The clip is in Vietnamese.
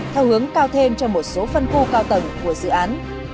theo hướng cao thêm cho một số phân khu cao tầng của dự án